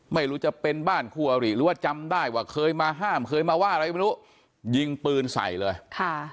ไม่รู้จะเป็นบ้านคู่อริหรือว่าจำได้ว่าเคยมาห้ามเคยมาว่าอะไรไม่รู้ยิงปืนใส่เลยค่ะ